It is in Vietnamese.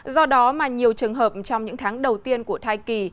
do đó mà nhiều trường hợp trong những tháng đầu tiên của thai kỳ